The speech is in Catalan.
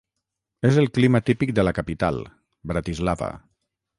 És el clima típic de la capital, Bratislava.